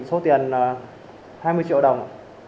số tiền là hai mươi triệu đồng